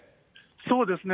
そうですね。